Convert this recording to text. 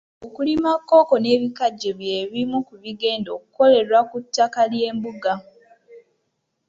Okulima kkooko n’ebikajjo bye bimu ku bigenda okukolerwa ku ttaka ly'embuga.